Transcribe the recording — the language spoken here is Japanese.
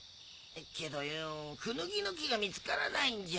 けどよぉクヌギの木が見つからないんじゃ。